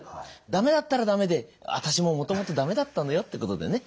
駄目だったら駄目で「私ももともと駄目だったのよ」ってことでね。